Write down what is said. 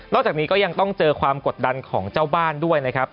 จากนี้ก็ยังต้องเจอความกดดันของเจ้าบ้านด้วยนะครับ